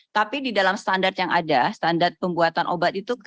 tapi di dalam standar yang ada standar pembuatan obat itu